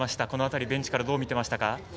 この辺り、ベンチからどう見てましたか？